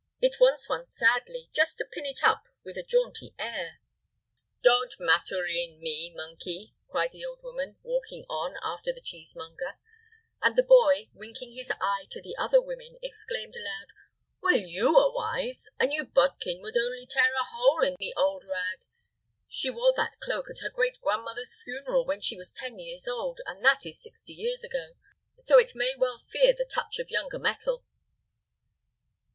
It wants one sadly, just to pin it up with a jaunty air." "Don't Mathurine me, monkey," cried the old woman, walking on after the cheesemonger; and the boy, winking his eye to the other women, exclaimed aloud, "Well, you are wise. A new bodkin would only tear a hole in the old rag. She wore that cloak at her great grandmother's funeral when she was ten years old, and that is sixty years ago; so it may well fear the touch of younger metal."